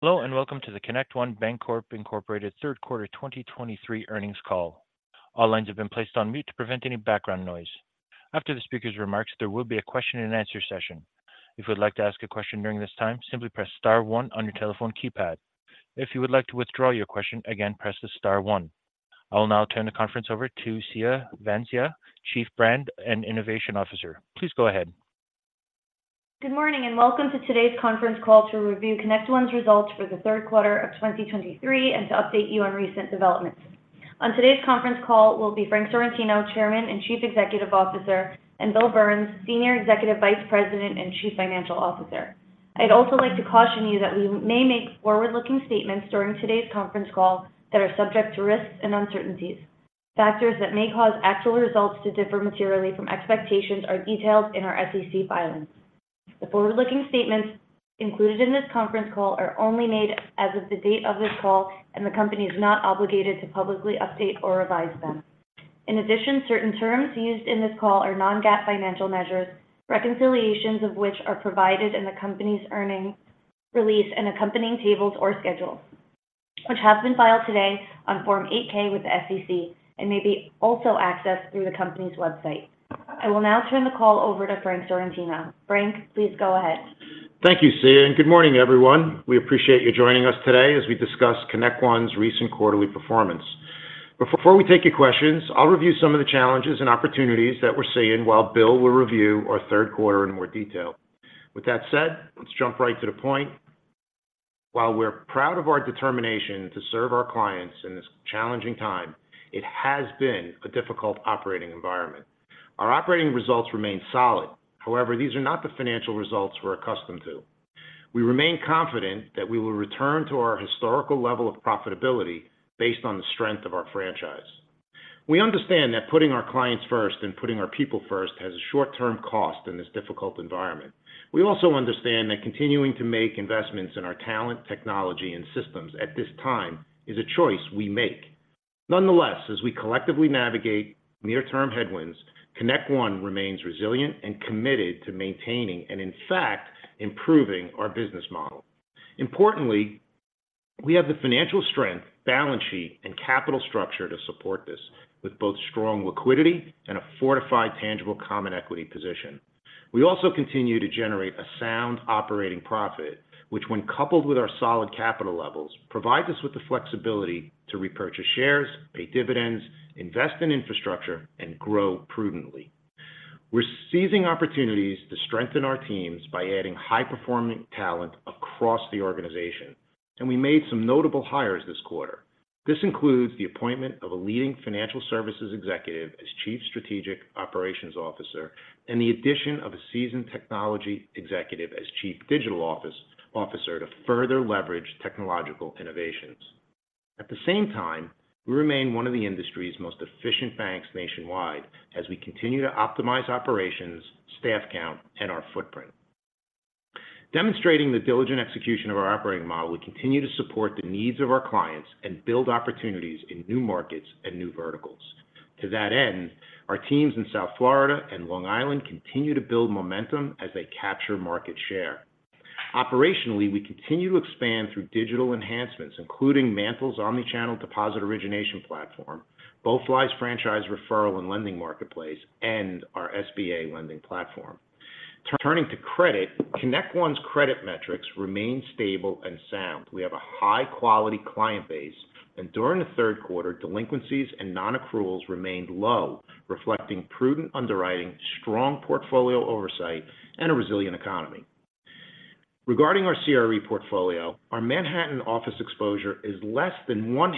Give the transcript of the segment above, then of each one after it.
Hello, and welcome to the ConnectOne Bancorp Incorporated third quarter 2023 earnings call. All lines have been placed on mute to prevent any background noise. After the speaker's remarks, there will be a question and answer session. If you'd like to ask a question during this time, simply press star one on your telephone keypad. If you would like to withdraw your question, again, press the star one. I will now turn the conference over to Siya Vansia, Chief Brand and Innovation Officer. Please go ahead. Good morning, and welcome to today's conference call to review ConnectOne's results for the third quarter of 2023, and to update you on recent developments. On today's conference call will be Frank Sorrentino, Chairman and Chief Executive Officer, and Bill Burns, Senior Executive Vice President and Chief Financial Officer. I'd also like to caution you that we may make forward-looking statements during today's conference call that are subject to risks and uncertainties. Factors that may cause actual results to differ materially from expectations are detailed in our SEC filings. The forward-looking statements included in this conference call are only made as of the date of this call, and the company is not obligated to publicly update or revise them. In addition, certain terms used in this call are non-GAAP financial measures, reconciliations of which are provided in the company's earnings release, and accompanying tables or schedules, which have been filed today on Form 8-K with the SEC, and may be also accessed through the company's website. I will now turn the call over to Frank Sorrentino. Frank, please go ahead. Thank you, Siya, and good morning, everyone. We appreciate you joining us today as we discuss ConnectOne's recent quarterly performance. But before we take your questions, I'll review some of the challenges and opportunities that we're seeing, while Bill will review our third quarter in more detail. With that said, let's jump right to the point. While we're proud of our determination to serve our clients in this challenging time, it has been a difficult operating environment. Our operating results remain solid. However, these are not the financial results we're accustomed to. We remain confident that we will return to our historical level of profitability based on the strength of our franchise. We understand that putting our clients first and putting our people first has a short-term cost in this difficult environment. We also understand that continuing to make investments in our talent, technology, and systems at this time is a choice we make. Nonetheless, as we collectively navigate near-term headwinds, ConnectOne remains resilient and committed to maintaining and in fact, improving our business model. Importantly, we have the financial strength, balance sheet, and capital structure to support this with both strong liquidity and a fortified Tangible Common Equity position. We also continue to generate a sound operating profit, which, when coupled with our solid capital levels, provide us with the flexibility to repurchase shares, pay dividends, invest in infrastructure, and grow prudently. We're seizing opportunities to strengthen our teams by adding high-performing talent across the organization, and we made some notable hires this quarter. This includes the appointment of a leading financial services executive as Chief Strategic Operations Officer, and the addition of a seasoned technology executive as Chief Digital Officer to further leverage technological innovations. At the same time, we remain one of the industry's most efficient banks nationwide as we continue to optimize operations, staff count, and our footprint. Demonstrating the diligent execution of our operating model, we continue to support the needs of our clients and build opportunities in new markets and new verticals. To that end, our teams in South Florida and Long Island continue to build momentum as they capture market share. Operationally, we continue to expand through digital enhancements, including MANTL's omni-channel deposit origination platform, BoeFly franchise referral and lending marketplace, and our SBA lending platform. Turning to credit, ConnectOne's credit metrics remain stable and sound. We have a high-quality client base, and during the third quarter, delinquencies and non-accruals remained low, reflecting prudent underwriting, strong portfolio oversight, and a resilient economy. Regarding our CRE portfolio, our Manhattan office exposure is less than 0.5%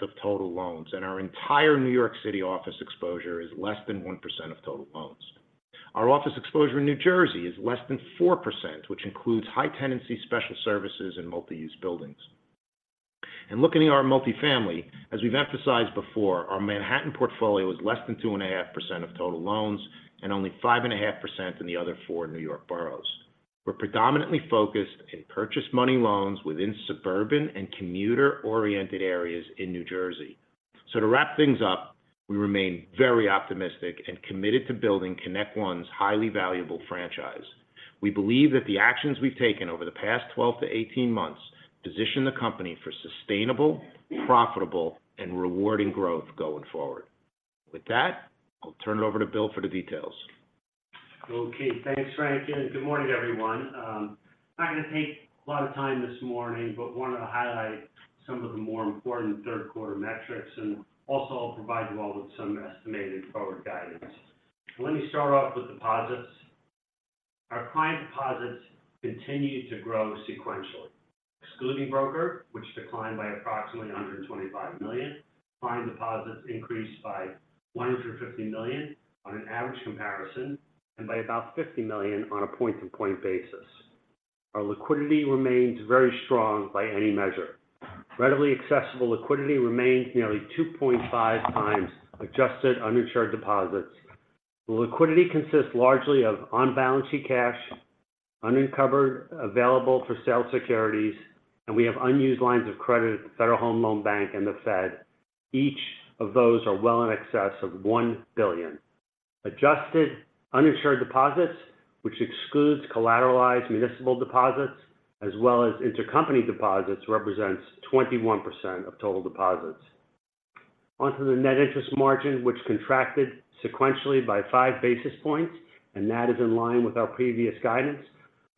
of total loans, and our entire New York City office exposure is less than 1% of total loans. Our office exposure in New Jersey is less than 4%, which includes high tenancy, special services, and multi-use buildings. Looking at our multifamily, as we've emphasized before, our Manhattan portfolio is less than 2.5% of total loans and only 5.5% in the other four New York boroughs. We're predominantly focused in purchase money loans within suburban and commuter-oriented areas in New Jersey. To wrap things up, we remain very optimistic and committed to building ConnectOne's highly valuable franchise. We believe that the actions we've taken over the past 12-18 months position the company for sustainable, profitable, and rewarding growth going forward. With that, I'll turn it over to Bill for the details. Okay, thanks, Frank, and good morning, everyone. I'm not going to take a lot of time this morning, but wanted to highlight some of the more important third quarter metrics and also provide you all with some estimated forward guidance. Let me start off with deposits. Our client deposits continued to grow sequentially. Excluding broker, which declined by approximately $125 million, client deposits increased by $150 million on an average comparison and by about $50 million on a point-to-point basis. Our liquidity remains very strong by any measure. Readily accessible liquidity remains nearly 2.5x adjusted under insured deposits. The liquidity consists largely of on-balance sheet cash, uncovered available for sale securities, and we have unused lines of credit at the Federal Home Loan Bank and the Fed. Each of those are well in excess of $1 billion. Adjusted uninsured deposits, which excludes collateralized municipal deposits as well as intercompany deposits, represents 21% of total deposits. Onto the net interest margin, which contracted sequentially by 5 basis points, and that is in line with our previous guidance.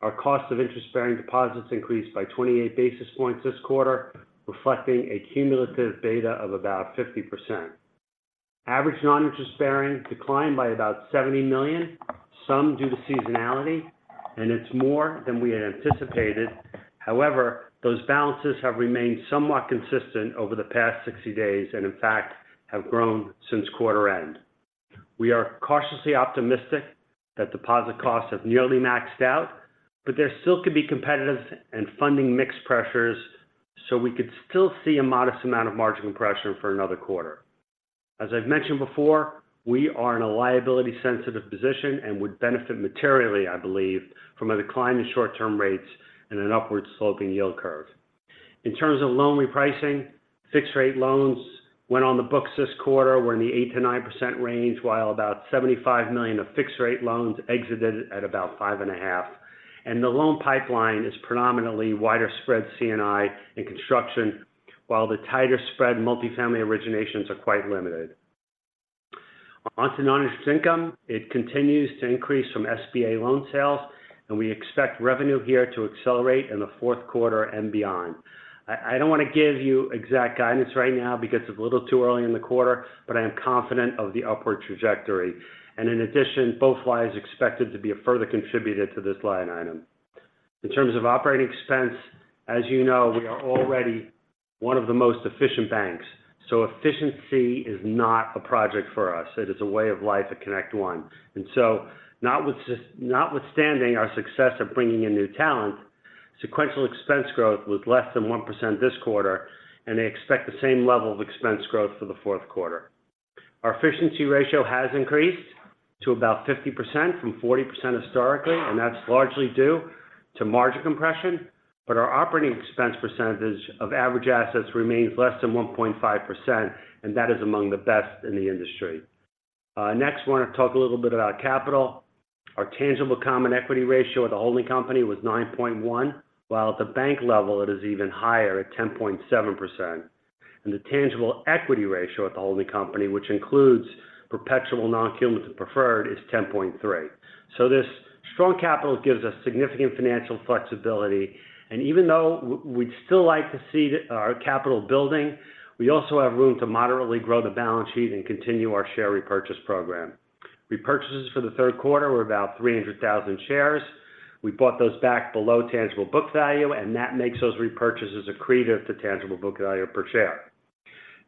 Our cost of interest-bearing deposits increased by 28 basis points this quarter, reflecting a cumulative beta of about 50%. Average non-interest bearing declined by about $70 million, some due to seasonality, and it's more than we had anticipated. However, those balances have remained somewhat consistent over the past 60 days, and in fact, have grown since quarter end. We are cautiously optimistic that deposit costs have nearly maxed out, but there still could be competitive and funding mix pressures, so we could still see a modest amount of margin compression for another quarter. As I've mentioned before, we are in a liability-sensitive position and would benefit materially, I believe, from a decline in short-term rates and an upward-sloping yield curve. In terms of loan repricing, fixed rate loans went on the books this quarter were in the 8%-9% range, while about $75 million of fixed rate loans exited at about 5.5%. The loan pipeline is predominantly wider spread C&I in construction, while the tighter spread multifamily originations are quite limited. On to non-interest income, it continues to increase from SBA loan sales, and we expect revenue here to accelerate in the fourth quarter and beyond. I don't want to give you exact guidance right now because it's a little too early in the quarter, but I am confident of the upward trajectory. In addition, BoeFly is expected to be a further contributor to this line item. In terms of operating expense, as you know, we are already one of the most efficient banks, so efficiency is not a project for us. It is a way of life at ConnectOne. And so notwithstanding our success of bringing in new talent, sequential expense growth was less than 1% this quarter, and they expect the same level of expense growth for the fourth quarter. Our efficiency ratio has increased to about 50% from 40% historically, and that's largely due to margin compression, but our operating expense percentage of average assets remains less than 1.5%, and that is among the best in the industry. Next, I want to talk a little bit about capital. Our tangible common equity ratio at the holding company was 9.1, while at the bank level, it is even higher at 10.7%. And the tangible equity ratio at the holding company, which includes perpetual non-cumulative preferred, is 10.3. So this strong capital gives us significant financial flexibility, and even though we'd still like to see our capital building, we also have room to moderately grow the balance sheet and continue our share repurchase program. Repurchases for the third quarter were about 300,000 shares. We bought those back below tangible book value, and that makes those repurchases accretive to tangible book value per share.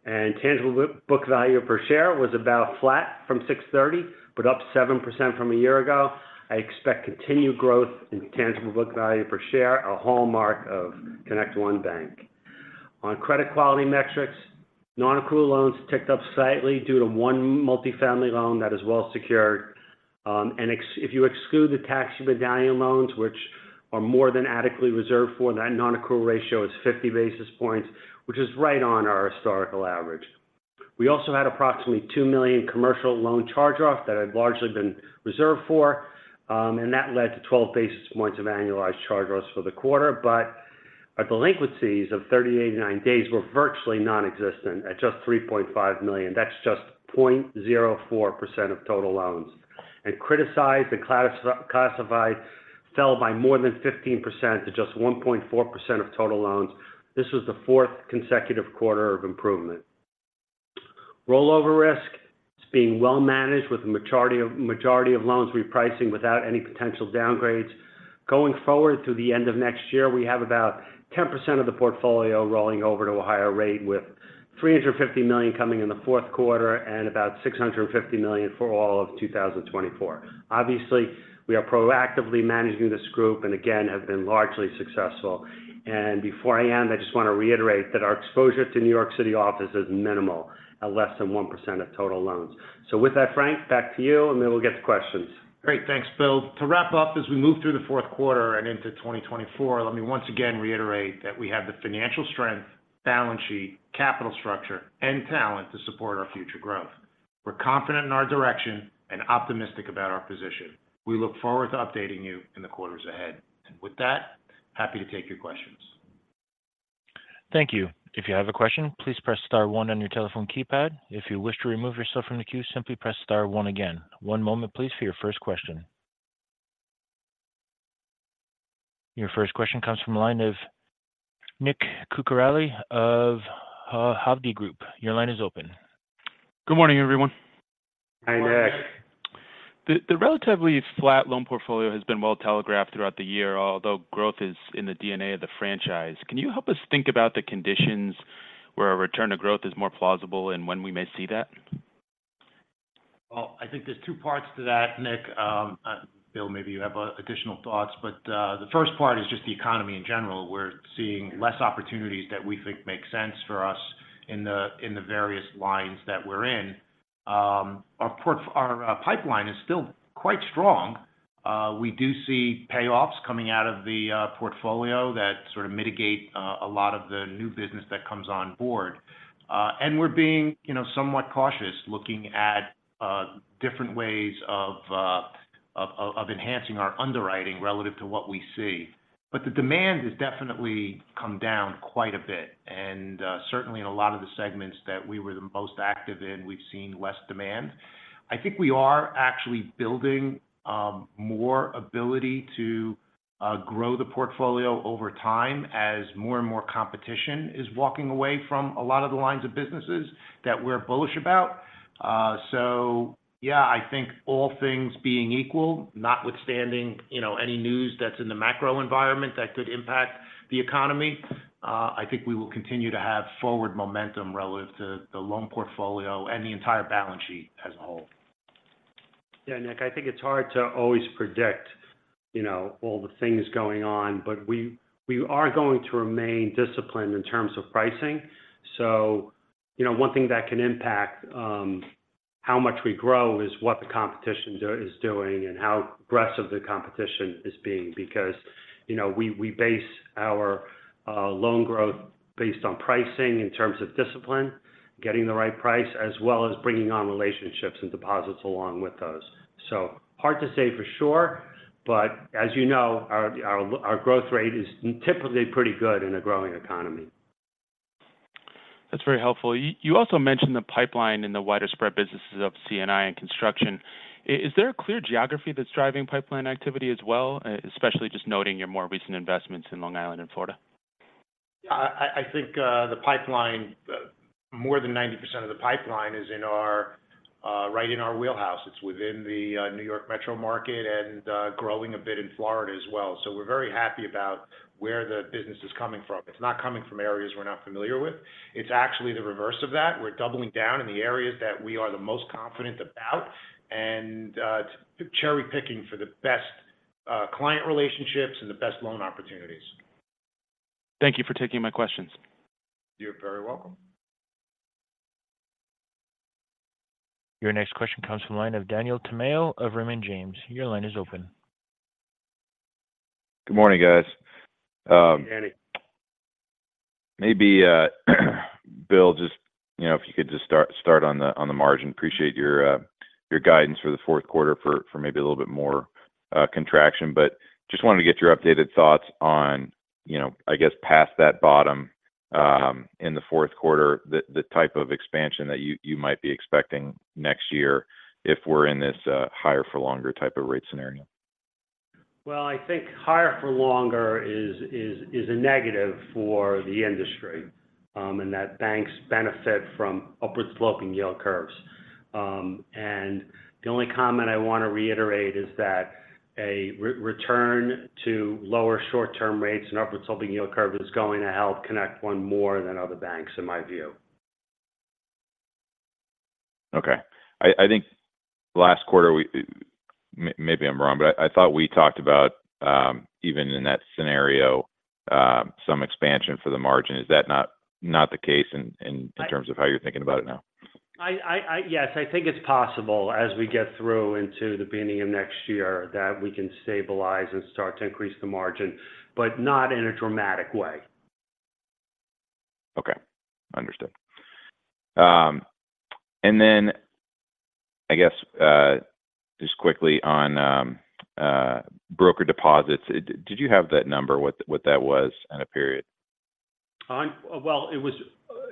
And tangible book value per share was about flat from 6.30, but up 7% from a year ago. I expect continued growth in tangible book value per share, a hallmark of ConnectOne Bank. On credit quality metrics, non-accrual loans ticked up slightly due to one multifamily loan that is well secured. And if you exclude the taxi medallion loans, which are more than adequately reserved for, that non-accrual ratio is 50 basis points, which is right on our historical average. We also had approximately $2 million commercial loan charge-off that had largely been reserved for, and that led to 12 basis points of annualized charge-offs for the quarter. But our delinquencies of 30-89 days were virtually nonexistent at just $3.5 million. That's just 0.04% of total loans. Criticized and classified fell by more than 15% to just 1.4% of total loans. This was the fourth consecutive quarter of improvement. Rollover risk is being well managed, with the majority of loans repricing without any potential downgrades. Going forward to the end of next year, we have about 10% of the portfolio rolling over to a higher rate, with $350 million coming in the fourth quarter and about $650 million for all of 2024. Obviously, we are proactively managing this group and again, have been largely successful. Before I end, I just want to reiterate that our exposure to New York City office is minimal, at less than 1% of total loans. So with that, Frank, back to you, and then we'll get to questions. Great. Thanks, Bill. To wrap up, as we move through the fourth quarter and into 2024, let me once again reiterate that we have the financial strength, balance sheet, capital structure, and talent to support our future growth. We're confident in our direction and optimistic about our position. We look forward to updating you in the quarters ahead. And with that, happy to take your questions. Thank you. If you have a question, please press star one on your telephone keypad. If you wish to remove yourself from the queue, simply press star one again. One moment, please, for your first question. Your first question comes from the line of Nick Cucharale of Hovde Group. Your line is open. Good morning, everyone. Hi, Nick. The relatively flat loan portfolio has been well telegraphed throughout the year, although growth is in the DNA of the franchise. Can you help us think about the conditions where a return to growth is more plausible and when we may see that? Well, I think there's two parts to that, Nick. Bill, maybe you have additional thoughts, but the first part is just the economy in general. We're seeing less opportunities that we think make sense for us in the various lines that we're in. Our pipeline is still quite strong. We do see payoffs coming out of the portfolio that sort of mitigate a lot of the new business that comes on board. And we're being, you know, somewhat cautious, looking at different ways of enhancing our underwriting relative to what we see. But the demand has definitely come down quite a bit, and certainly in a lot of the segments that we were the most active in, we've seen less demand. I think we are actually building more ability to grow the portfolio over time as more and more competition is walking away from a lot of the lines of businesses that we're bullish about. So yeah, I think all things being equal, notwithstanding, you know, any news that's in the macro environment that could impact the economy, I think we will continue to have forward momentum relative to the loan portfolio and the entire balance sheet as a whole. Yeah, Nick, I think it's hard to always predict, you know, all the things going on, but we are going to remain disciplined in terms of pricing. So, you know, one thing that can impact how much we grow is what the competition is doing and how aggressive the competition is being. Because, you know, we base our loan growth based on pricing in terms of discipline, getting the right price, as well as bringing on relationships and deposits along with those. So hard to say for sure, but as you know, our growth rate is typically pretty good in a growing economy. That's very helpful. You also mentioned the pipeline in the wider spread businesses of C&I and construction. Is there a clear geography that's driving pipeline activity as well, especially just noting your more recent investments in Long Island and Florida? Yeah, I think the pipeline more than 90% of the pipeline is in our right in our wheelhouse. It's within the New York metro market and growing a bit in Florida as well. So we're very happy about where the business is coming from. It's not coming from areas we're not familiar with. It's actually the reverse of that. We're doubling down in the areas that we are the most confident about, and cherry-picking for the best client relationships and the best loan opportunities. Thank you for taking my questions. You're very welcome. Your next question comes from the line of Daniel Tamayo of Raymond James. Your line is open. Good morning, guys. Danny. Maybe, Bill, just, you know, if you could just start on the margin. Appreciate your guidance for the fourth quarter for maybe a little bit more contraction. But just wanted to get your updated thoughts on, you know, I guess, past that bottom in the fourth quarter, the type of expansion that you might be expecting next year if we're in this higher-for-longer type of rate scenario. Well, I think higher for longer is a negative for the industry, and that banks benefit from upward-sloping yield curves. And the only comment I want to reiterate is that a return to lower short-term rates and upward-sloping yield curve is going to help ConnectOne more than other banks, in my view. Okay. I think last quarter, we, maybe I'm wrong, but I thought we talked about even in that scenario some expansion for the margin. Is that not the case in- I- Terms of how you're thinking about it now? Yes, I think it's possible, as we get through into the beginning of next year, that we can stabilize and start to increase the margin, but not in a dramatic way. Okay, understood. And then, I guess, just quickly on broker deposits. Did you have that number, what that was in a period? Well, it was,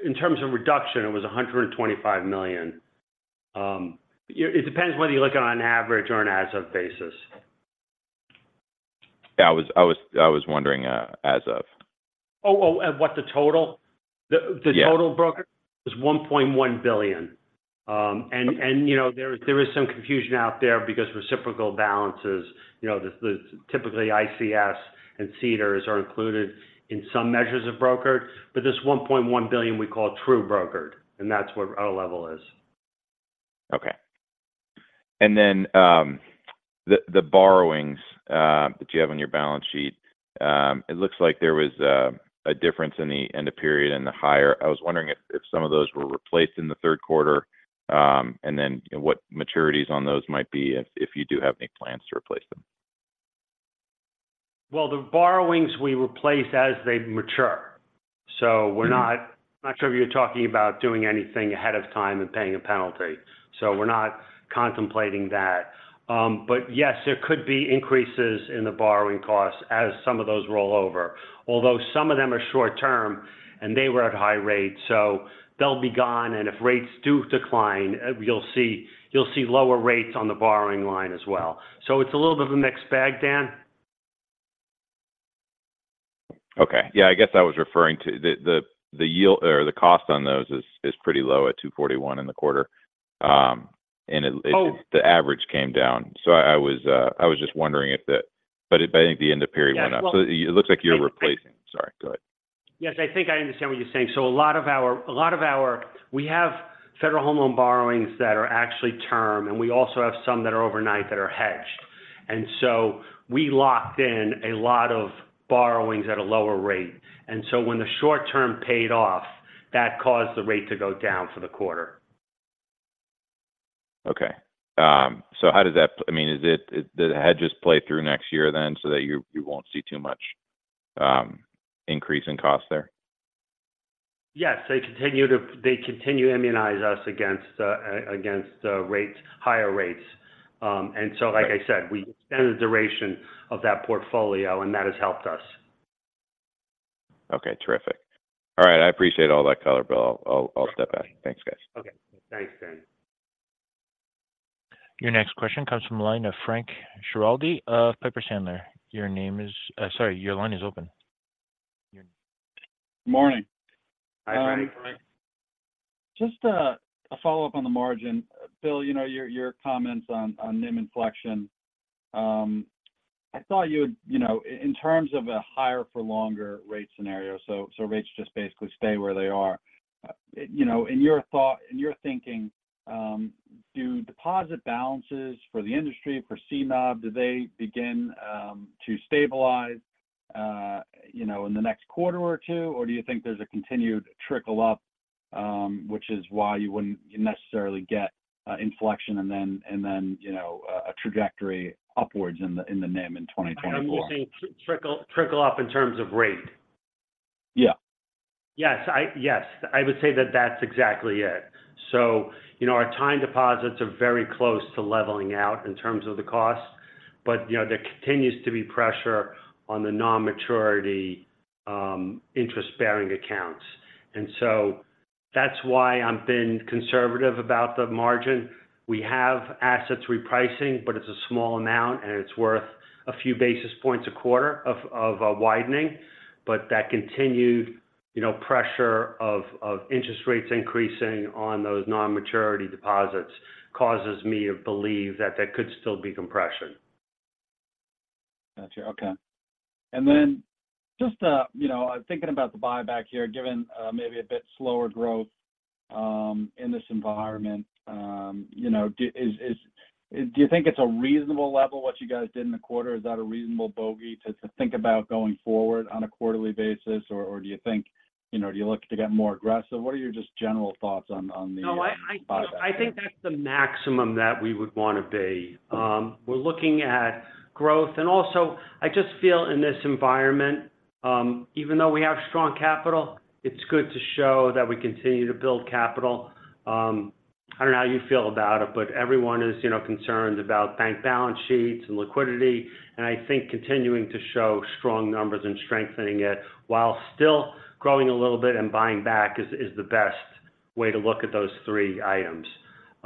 in terms of reduction, it was $125 million. It depends whether you look at it on average or an as-of basis. Yeah, I was wondering as of. Oh, oh, what the total? Yeah. The total brokered is $1.1 billion. And, you know, there is some confusion out there because reciprocal balances, you know, the typically ICS and CDARS are included in some measures of brokered, but this $1.1 billion we call true brokered, and that's what our level is. Okay. And then, the borrowings that you have on your balance sheet, it looks like there was a difference in the end of period and the higher. I was wondering if some of those were replaced in the third quarter, and then what maturities on those might be, if you do have any plans to replace them? Well, the borrowings we replace as they mature. So we're not- I'm not sure if you're talking about doing anything ahead of time and paying a penalty, so we're not contemplating that. But yes, there could be increases in the borrowing costs as some of those roll over. Although some of them are short term and they were at high rates, so they'll be gone, and if rates do decline, you'll see, you'll see lower rates on the borrowing line as well. So it's a little bit of a mixed bag, Dan. Okay. Yeah, I guess I was referring to the yield or the cost on those is pretty low at 2.41 in the quarter. And it- Oh. The average came down. So I was, I was just wondering if that, but if I think the end of period went up. Yes, well- So it looks like you're replacing. Sorry, go ahead. Yes, I think I understand what you're saying. So a lot of our—we have Federal Home Loan borrowings that are actually term, and we also have some that are overnight that are hedged. And so we locked in a lot of borrowings at a lower rate. And so when the short term paid off, that caused the rate to go down for the quarter. Okay. So how does that- I mean, is it, the hedges play through next year then, so that you, you won't see too much, increase in cost there? Yes. They continue to immunize us against higher rates. And so, like I said, we extended the duration of that portfolio, and that has helped us. Okay, terrific. All right. I appreciate all that color, Bill. I'll step back. Thanks, guys. Okay. Thanks, Dan. Your next question comes from the line of Frank Schiraldi of Piper Sandler. Your name is sorry; your line is open. Morning. Hi, Frank. Just a follow-up on the margin. Bill, you know, your comments on NIM inflection. I thought you would. You know, in terms of a higher for longer rate scenario, so rates just basically stay where they are. You know, in your thinking, do deposit balances for the industry, for CNOB, do they begin to stabilize, you know, in the next quarter or two? Or do you think there's a continued trickle up, which is why you wouldn't necessarily get inflection and then, you know, a trajectory upwards in the NIM in 2024? I'm looking trickle, trickle up in terms of rate? Yeah. Yes, yes, I would say that that's exactly it. So, you know, our time deposits are very close to leveling out in terms of the cost, but, you know, there continues to be pressure on the non-maturity interest-bearing accounts. And so that's why I've been conservative about the margin. We have assets repricing, but it's a small amount, and it's worth a few basis points a quarter of widening. But that continued, you know, pressure of interest rates increasing on those non-maturity deposits causes me to believe that there could still be compression. Got you. Okay. And then just, you know, thinking about the buyback here, given maybe a bit slower growth in this environment, you know, do you think it's a reasonable level, what you guys did in the quarter? Is that a reasonable bogey to think about going forward on a quarterly basis, or do you think, you know, do you look to get more aggressive? What are your just general thoughts on, on the- No, I- Buyback? I think that's the maximum that we would want to be. We're looking at growth, and also, I just feel in this environment, even though we have strong capital, it's good to show that we continue to build capital. I don't know how you feel about it, but everyone is, you know, concerned about bank balance sheets and liquidity, and I think continuing to show strong numbers and strengthening it while still growing a little bit and buying back is the best way to look at those three items.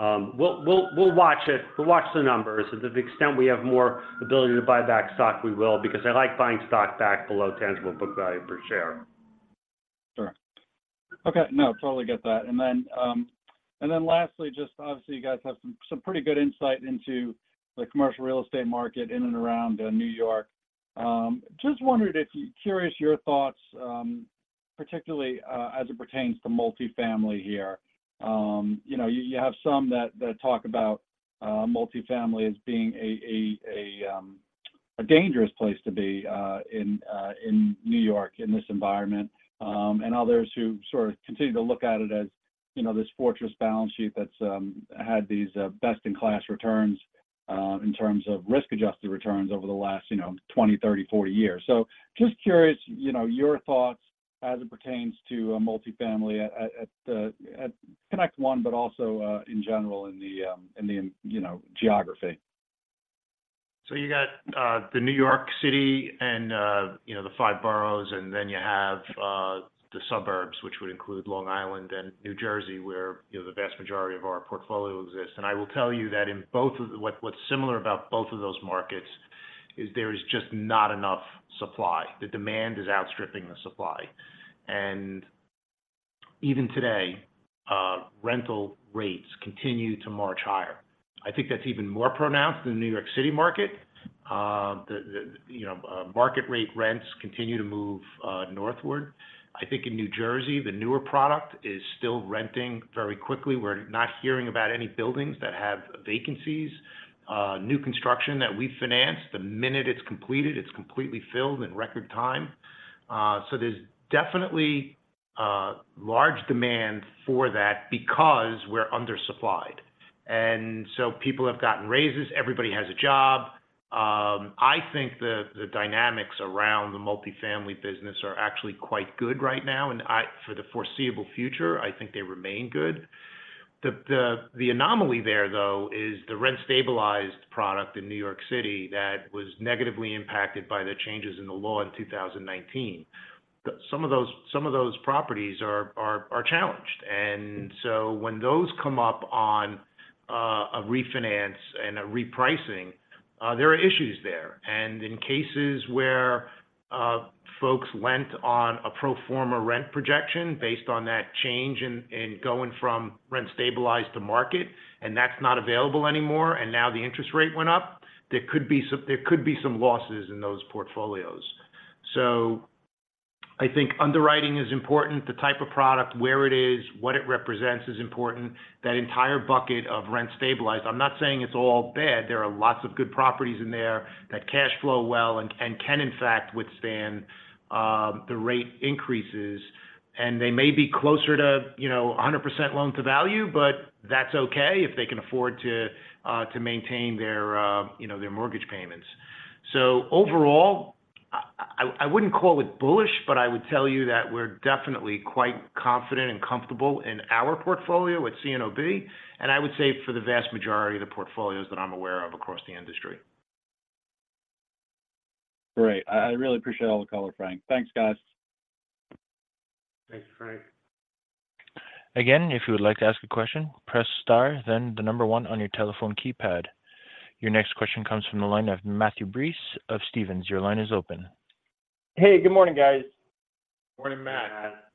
We'll watch it. We'll watch the numbers. To the extent we have more ability to buy back stock, we will, because I like buying stock back below Tangible Book Value per share. Sure. Okay. No, totally get that. And then, and then lastly, just obviously, you guys have some pretty good insight into the commercial real estate market in and around New York. Just wondered if curious your thoughts, particularly, as it pertains to multifamily here. You know, you have some that talk about multifamily as being a dangerous place to be in New York, in this environment, and others who sort of continue to look at it as, you know, this fortress balance sheet that's had these best-in-class returns in terms of risk-adjusted returns over the last, you know, 20, 30, 40 years. Just curious, you know, your thoughts as it pertains to multifamily at ConnectOne, but also in general, in the, you know, geography. So you got the New York City and, you know, the five boroughs, and then you have the suburbs, which would include Long Island and New Jersey, where, you know, the vast majority of our portfolio exists. And I will tell you that in both of those markets, what's similar about both of those markets is there is just not enough supply. The demand is outstripping the supply. And even today, rental rates continue to march higher. I think that's even more pronounced in the New York City market. The market rate rents continue to move northward. I think in New Jersey, the newer product is still renting very quickly. We're not hearing about any buildings that have vacancies. New construction that we finance, the minute it's completed, it's completely filled in record time. So there's definitely a large demand for that because we're undersupplied, and so people have gotten raises, everybody has a job. I think the dynamics around the multifamily business are actually quite good right now, and I, for the foreseeable future, I think they remain good. The anomaly there, though, is the rent-stabilized product in New York City that was negatively impacted by the changes in the law in 2019. Some of those properties are challenged. And so when those come up on a refinance and a repricing, there are issues there. In cases where folks went on a pro forma rent projection based on that change in going from rent-stabilized to market, and that's not available anymore, and now the interest rate went up, there could be some losses in those portfolios. I think underwriting is important. The type of product, where it is, what it represents is important. That entire bucket of rent-stabilized, I'm not saying it's all bad. There are lots of good properties in there that cash flow well and, you know, can, in fact, withstand the rate increases and they may be closer to, you know, 100% loan-to-value, but that's okay if they can afford to maintain their, you know, their mortgage payments. So overall, I wouldn't call it bullish, but I would tell you that we're definitely quite confident and comfortable in our portfolio with CNOB, and I would say for the vast majority of the portfolios that I'm aware of across the industry. Great. I really appreciate all the color, Frank. Thanks, guys. Thanks, Frank. Again, if you would like to ask a question, press star, then the number one on your telephone keypad. Your next question comes from the line of Matthew Breese of Stephens. Your line is open. Hey, good morning, guys. Morning, Matt.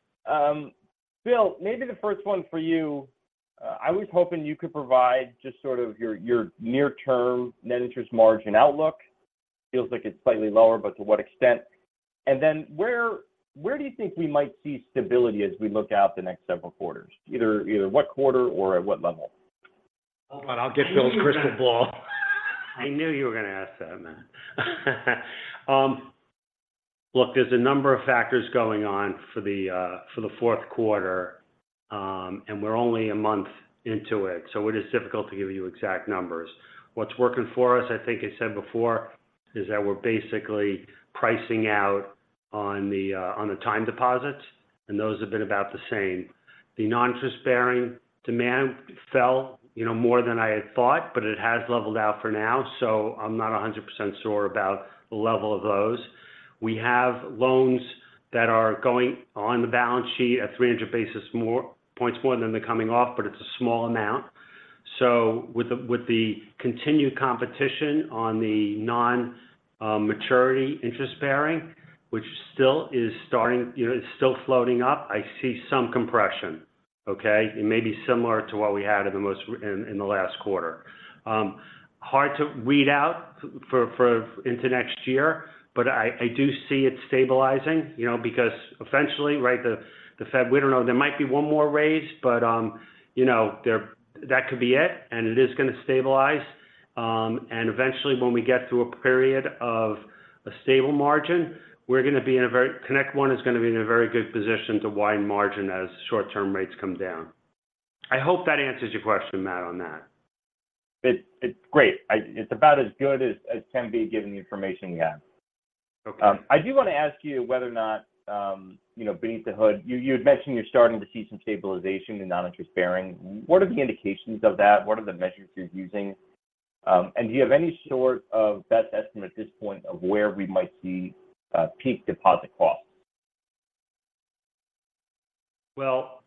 Bill, maybe the first one for you. I was hoping you could provide just sort of your, your near-term Net Interest Margin outlook. Feels like it's slightly lower, but to what extent? And then, where, where do you think we might see stability as we look out the next several quarters? Either, either what quarter or at what level? Hold on, I'll get Bill's crystal ball. I knew you were gonna ask that, Matt. Look, there's a number of factors going on for the fourth quarter, and we're only a month into it, so it is difficult to give you exact numbers. What's working for us, I think I said before, is that we're basically pricing out on the time deposits, and those have been about the same. The non-interest-bearing demand fell, you know, more than I had thought, but it has leveled out for now, so I'm not 100% sure about the level of those. We have loans that are going on the balance sheet at 300 basis points more than they're coming off, but it's a small amount. So with the continued competition on the non-maturity interest-bearing, which still is starting. You know, it's still floating up, I see some compression, okay? It may be similar to what we had in the last quarter. Hard to read out for into next year, but I do see it stabilizing, you know, because eventually, right, the Fed, we don't know, there might be one more raise, but, you know, there, that could be it, and it is gonna stabilize. And eventually, when we get to a period of a stable margin, we're gonna be in a very-ConnectOne is gonna be in a very good position to widen margin as short-term rates come down. I hope that answers your question, Matt, on that. It's great. It's about as good as can be, given the information you have. Okay. I do want to ask you whether or not, you know, beneath the hood, you had mentioned you're starting to see some stabilization in non-interest-bearing. What are the indications of that? What are the measures you're using? And do you have any sort of best estimate at this point of where we might see peak deposit costs? Well,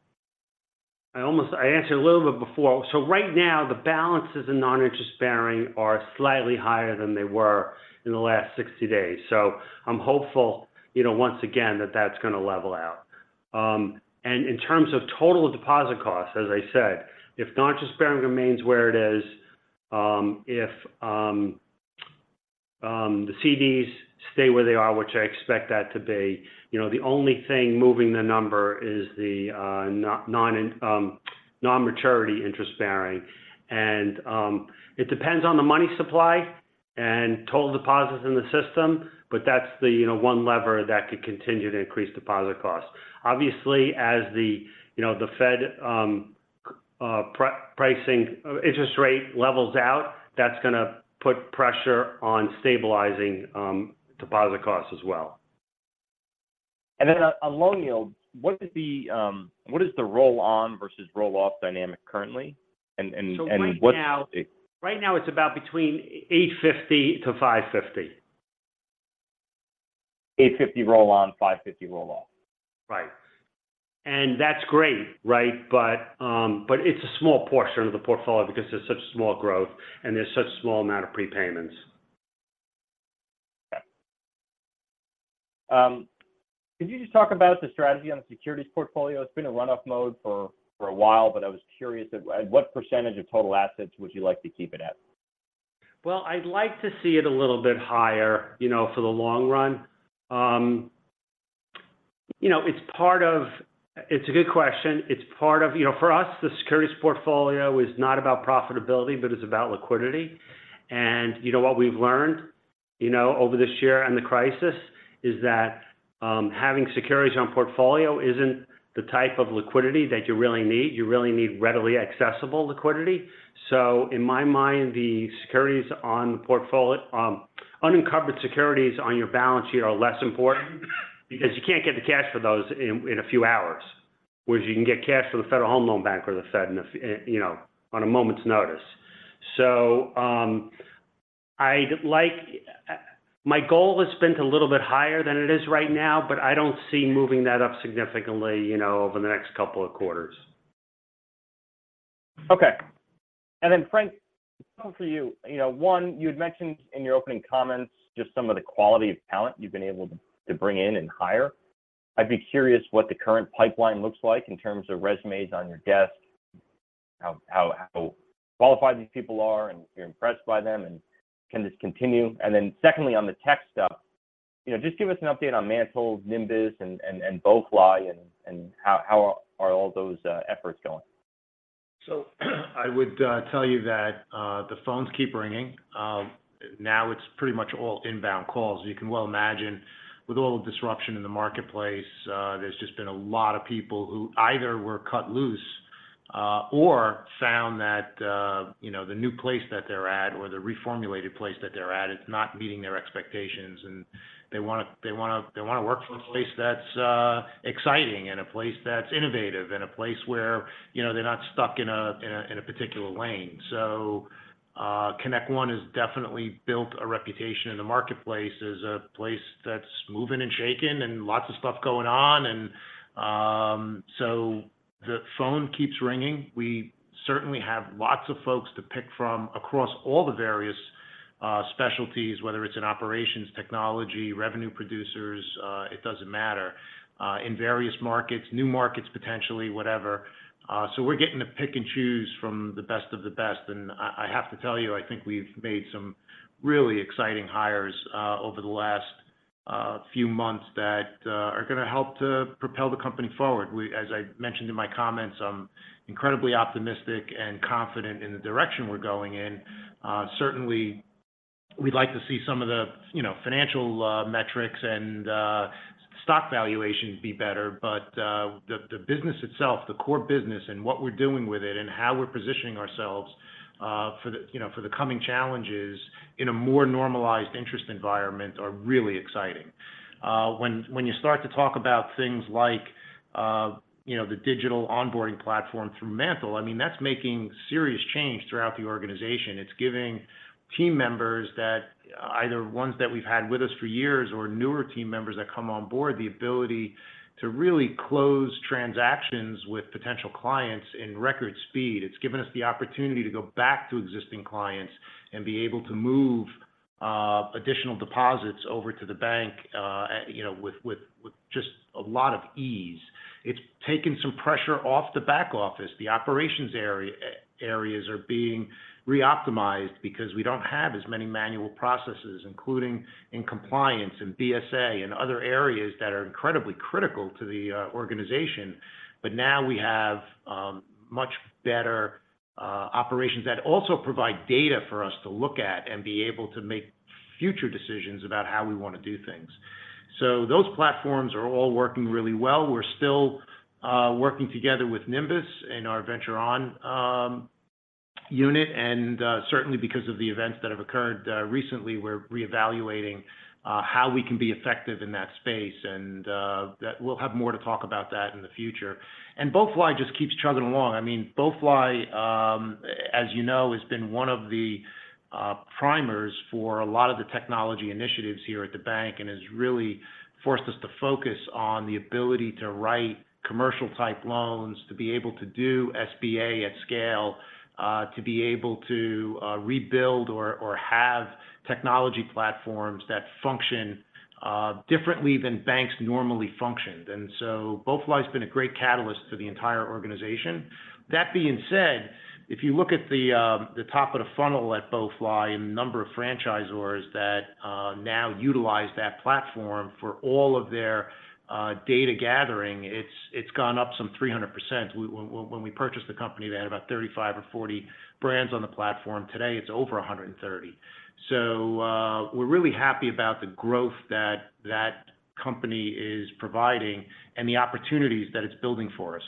I almost, I answered a little bit before. So right now, the balances in non-interest-bearing are slightly higher than they were in the last 60 days. So I'm hopeful, you know, once again, that that's gonna level out. And in terms of total deposit costs, as I said, if non-interest-bearing remains where it is, if the CDs stay where they are, which I expect that to be, you know, the only thing moving the number is the non-maturity interest-bearing. And it depends on the money supply and total deposits in the system, but that's the, you know, one lever that could continue to increase deposit costs. Obviously, as the, you know, the Fed, pricing, interest rate levels out, that's gonna put pressure on stabilizing deposit costs as well. And then on loan yield, what is the roll-on versus roll-off dynamic currently? And what- Right now, right now it's about between 8.50-5.50. 850 roll-on, 550 roll-off? Right. And that's great, right? But, but it's a small portion of the portfolio because it's such a small growth and there's such a small amount of prepayments. Okay. Could you just talk about the strategy on the securities portfolio? It's been in run-off mode for a while, but I was curious at what percentage of total assets would you like to keep it at? Well, I'd like to see it a little bit higher, you know, for the long run. You know, it's part of. It's a good question. It's part of. You know, for us, the securities portfolio is not about profitability, but it's about liquidity. And, you know, what we've learned, you know, over this year and the crisis, is that, having securities on portfolio isn't the type of liquidity that you really need. You really need readily accessible liquidity. So in my mind, the securities on the portfolio, unencumbered securities on your balance sheet are less important because you can't get the cash for those in a few hours, whereas you can get cash from the Federal Home Loan Bank or the Fed in a, you know, on a moment's notice. So, I'd like. My goal has been to a little bit higher than it is right now, but I don't see moving that up significantly, you know, over the next couple of quarters. Okay. And then, Frank, this is all for you. You know, one, you had mentioned in your opening comments just some of the quality of talent you've been able to bring in and hire. I'd be curious what the current pipeline looks like in terms of resumes on your desk, how qualified these people are, and if you're impressed by them, and can this continue? And then secondly, on the tech stuff, you know, just give us an update on MANTL, Nymbus, and BoeFly, and how are all those efforts going? So I would tell you that the phones keep ringing. Now it's pretty much all inbound calls. You can well imagine with all the disruption in the marketplace, there's just been a lot of people who either were cut loose, or found that, you know, the new place that they're at or the reformulated place that they're at is not meeting their expectations, and they wanna, they wanna, they wanna work for a place that's exciting and a place that's innovative and a place where, you know, they're not stuck in a particular lane. So ConnectOne has definitely built a reputation in the marketplace as a place that's moving and shaking and lots of stuff going on. And so the phone keeps ringing. We certainly have lots of folks to pick from across all the various specialties, whether it's in operations, technology, revenue producers, it doesn't matter, in various markets, new markets, potentially, whatever. So we're getting to pick and choose from the best of the best. And I, I have to tell you, I think we've made some really exciting hires over the last few months that are gonna help to propel the company forward. As I mentioned in my comments, I'm incredibly optimistic and confident in the direction we're going in. Certainly, we'd like to see some of the, you know, financial metrics and stock valuations be better. But, the business itself, the core business and what we're doing with it and how we're positioning ourselves, you know, for the coming challenges in a more normalized interest environment are really exciting. When you start to talk about things like, you know, the digital onboarding platform through MANTL, I mean, that's making serious change throughout the organization. It's giving team members that either ones that we've had with us for years or newer team members that come on board, the ability to really close transactions with potential clients in record speed. It's given us the opportunity to go back to existing clients and be able to move additional deposits over to the bank, you know, with just a lot of ease. It's taken some pressure off the back office. The operations areas are being reoptimized because we don't have as many manual processes, including in compliance and BSA and other areas that are incredibly critical to the organization. Now we have much better operations that also provide data for us to look at and be able to make future decisions about how we want to do things. Those platforms are all working really well. We're still working together with Nymbus in our Venture On unit. Certainly, because of the events that have occurred recently, we're reevaluating how we can be effective in that space. We'll have more to talk about that in the future. BoeFly just keeps chugging along. I mean, BoeFly, as you know, has been one of the primers for a lot of the technology initiatives here at the bank and has really forced us to focus on the ability to write commercial-type loans, to be able to do SBA at scale, to be able to rebuild or have technology platforms that function differently than banks normally functioned. And so BoeFly has been a great catalyst for the entire organization. That being said, if you look at the top of the funnel at BoeFly and the number of franchisors that now utilize that platform for all of their data gathering, it's gone up some 300%. When we purchased the company, they had about 35 or 40 brands on the platform. Today, it's over 130. So, we're really happy about the growth that that company is providing and the opportunities that it's building for us.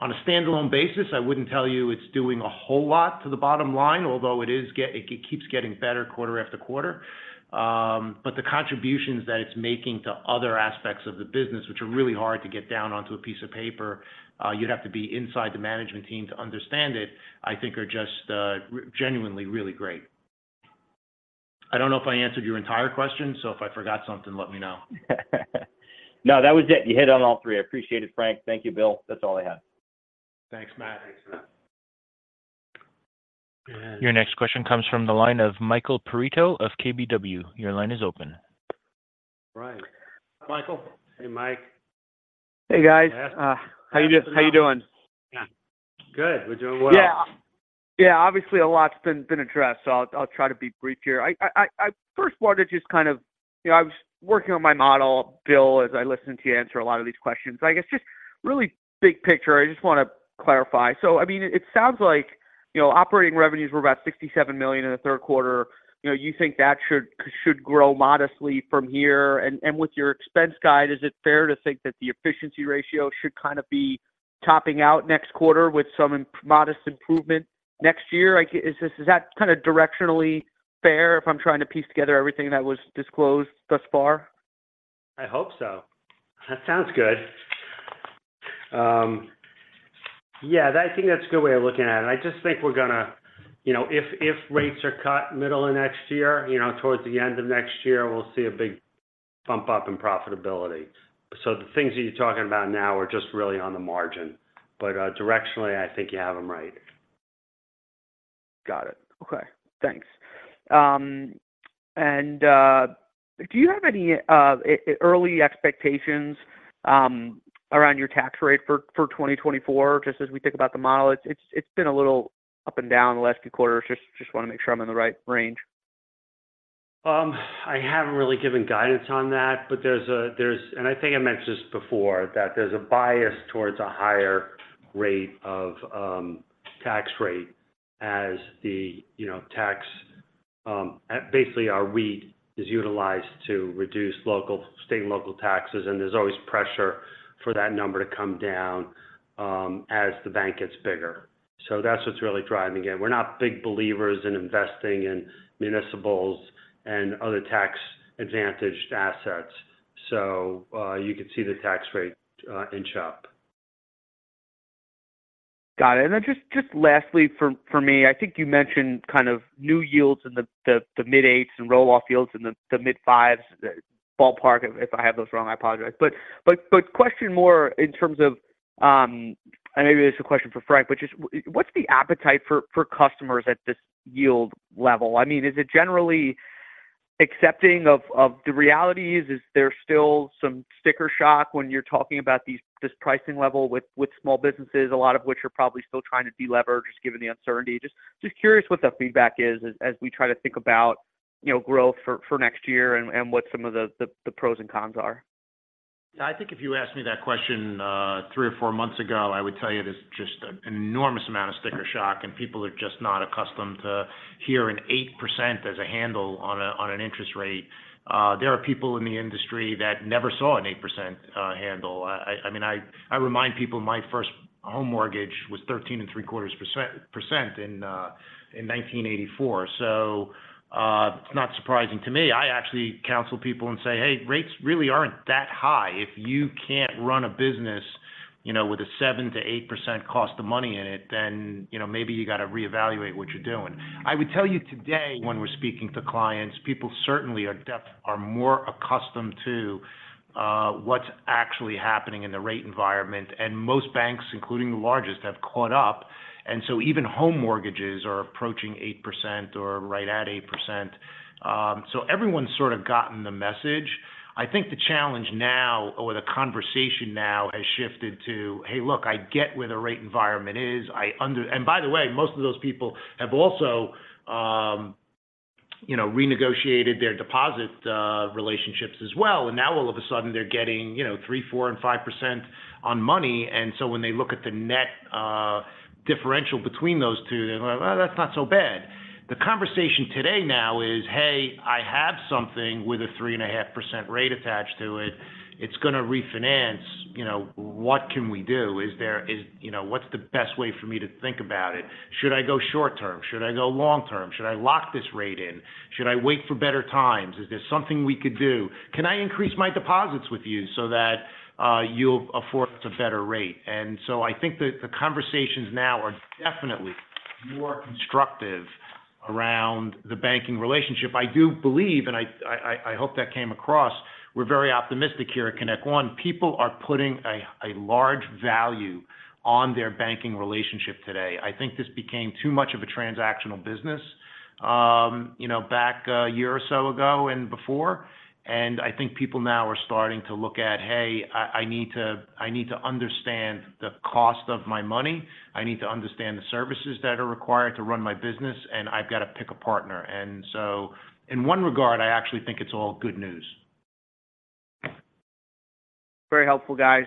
On a standalone basis, I wouldn't tell you it's doing a whole lot to the bottom line, although it is, it keeps getting better quarter after quarter. But the contributions that it's making to other aspects of the business, which are really hard to get down onto a piece of paper, you'd have to be inside the management team to understand it, I think are just genuinely really great. I don't know if I answered your entire question, so if I forgot something, let me know. No, that was it. You hit on all three. I appreciate it, Frank. Thank you, Bill. That's all I have. Thanks, Matt. Your next question comes from the line of Michael Perito of KBW. Your line is open. Right. Michael. Hey, Mike. Hey, guys. Yes. How you doing? Good. We're doing well. Yeah. Yeah, obviously, a lot's been addressed, so I'll try to be brief here. I first wanted to just kind of you know, I was working on my model, Bill, as I listened to you answer a lot of these questions. I guess just really big picture, I just wanna clarify. So I mean, it sounds like, you know, operating revenues were about $67 million in the third quarter. You know, you think that should grow modestly from here. And with your expense guide, is it fair to think that the efficiency ratio should kind of be topping out next quarter with some modest improvement next year? Is this-- is that directionally fair if I'm trying to piece together everything that was disclosed thus far? I hope so. That sounds good. Yeah, I think that's a good way of looking at it. I just think we're gonna, you know, if rates are cut middle of next year, you know, towards the end of next year, we'll see a big pump up in profitability. So the things that you're talking about now are just really on the margin, but directionally, I think you have them right. Got it. Okay, thanks. Do you have any early expectations around your tax rate for 2024? Just as we think about the model, it's been a little up and down the last few quarters. Just wanna make sure I'm in the right range. I haven't really given guidance on that, but there's – and I think I mentioned this before, that there's a bias towards a higher rate of tax rate as the, you know, tax, basically, our REIT is utilized to reduce local, state and local taxes, and there's always pressure for that number to come down, as the bank gets bigger. So that's what's really driving it. We're not big believers in investing in municipals and other tax-advantaged assets, so, you could see the tax rate inch up. Got it. And then just lastly from me, I think you mentioned kind of new yields in the mid-8s and roll-off yields in the mid-5s. Ballpark, if I have those wrong, I apologize. But question more in terms of, and maybe this is a question for Frank, which is: What's the appetite for customers at this yield level? I mean, is it generally accepting of the realities? Is there still some sticker shock when you're talking about these, this pricing level with small businesses, a lot of which are probably still trying to de-leverage, just given the uncertainty? Just curious what the feedback is as we try to think about, you know, growth for next year and what some of the pros and cons are. I think if you asked me that question three or four months ago, I would tell you there's just an enormous amount of sticker shock, and people are just not accustomed to hearing 8% as a handle on an interest rate. There are people in the industry that never saw an 8% handle. I mean, I remind people my first home mortgage was 13.75% in 1984, so it's not surprising to me. I actually counsel people and say, "Hey, rates really aren't that high. If you can't run a business, you know, with a 7%-8% cost of money in it, then, you know, maybe you got to reevaluate what you're doing." I would tell you today, when we're speaking to clients, people certainly are more accustomed to what's actually happening in the rate environment, and most banks, including the largest, have caught up. And so even home mortgages are approaching 8% or right at 8%. So everyone's sort of gotten the message. I think the challenge now, or the conversation now has shifted to, "Hey, look, I get where the rate environment is. I under" And by the way, most of those people have also, you know, renegotiated their deposit relationships as well. And now all of a sudden they're getting, you know, 3%, 4%, and 5% on money. So when they look at the net differential between those two, they're like, "Well, that's not so bad." The conversation today now is, "Hey, I have something with a 3.5% rate attached to it. It's gonna refinance. You know, what can we do? Is there you know, what's the best way for me to think about it? Should I go short term? Should I go long term? Should I lock this rate in? Should I wait for better times? Is there something we could do? Can I increase my deposits with you so that you'll afford us a better rate?" And so I think that the conversations now are definitely more constructive around the banking relationship. I do believe, and I hope that came across, we're very optimistic here at ConnectOne. People are putting a large value on their banking relationship today. I think this became too much of a transactional business, you know, back a year or so ago and before, and I think people now are starting to look at, "Hey, I need to understand the cost of my money. I need to understand the services that are required to run my business, and I've got to pick a partner." And so in one regard, I actually think it's all good news. Very helpful, guys.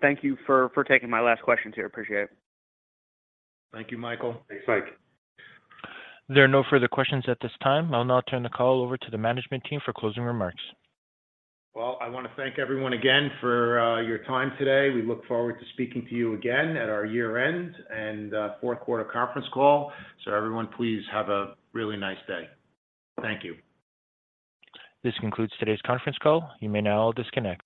Thank you for taking my last questions here. Appreciate it. Thank you, Michael. Thanks, Mike. There are no further questions at this time. I'll now turn the call over to the management team for closing remarks. Well, I want to thank everyone again for your time today. We look forward to speaking to you again at our year-end and fourth quarter conference call. So everyone, please have a really nice day. Thank you. This concludes today's conference call. You may now disconnect.